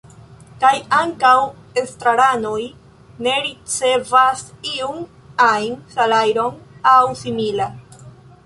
Kaj ankaŭ estraranoj ne ricevas iun ajn salajron aŭ simila.